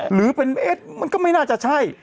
หรือเป็นเอสมันก็ไม่น่าจะใช่